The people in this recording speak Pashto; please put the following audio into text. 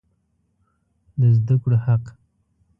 د زده کړو حق